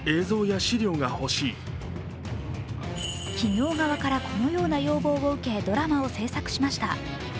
企業側からこのような要望を受け、ドラマを制作しました。